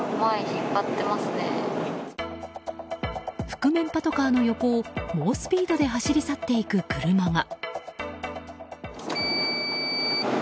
覆面パトカーの横を猛スピードで走り去っていく車が。